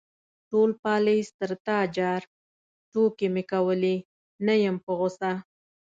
_ټول پالېز تر تا جار، ټوکې مې کولې، نه يم په غوسه.